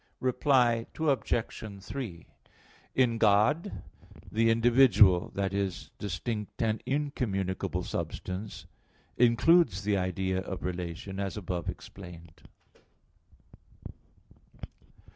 Reply Obj. 3: In God the individual i.e. distinct and incommunicable substance includes the idea of relation, as above explained.